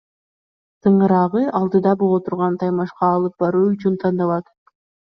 Тыңыраагы алдыда боло турган таймашка алып баруу үчүн тандалат.